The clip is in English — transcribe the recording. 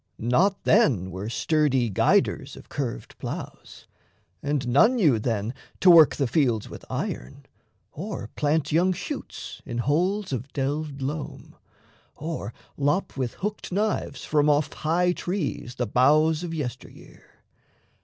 Not then were sturdy guiders of curved ploughs, And none knew then to work the fields with iron, Or plant young shoots in holes of delved loam, Or lop with hooked knives from off high trees The boughs of yester year.